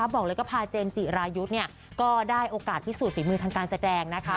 บอกเลยว่าพาเจนจิรายุทธ์ก็ได้โอกาสพิสูจนฝีมือทางการแสดงนะคะ